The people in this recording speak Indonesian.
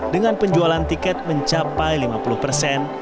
dengan penjualan tiket mencapai lima puluh persen